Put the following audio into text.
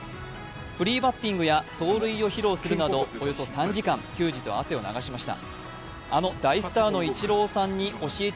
フリーバッティングや走塁を披露するなどおよそ３時間、球児と汗を流しました。